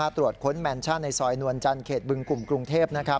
ตรวจค้นแมนชั่นในซอยนวลจันทร์เขตบึงกลุ่มกรุงเทพ